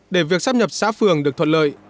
để việc sắp nhập xã phường được thuận lợi